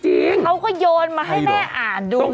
เขาก็โยนมาให้แม่อ่านดู